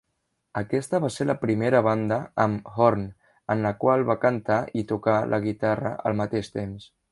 Aquesta va ser la primera banda amb Horne en la qual va cantar i tocar la guitarra al mateix temps.